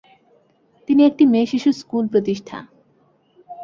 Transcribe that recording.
তিনি একটি মেয়েশিশু স্কুল প্রতিষ্ঠা।